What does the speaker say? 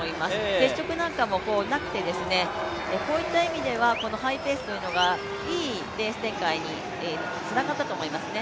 接触なんかもなくて、こういった意味ではハイペースというのがいいレース展開につながったと思いますね。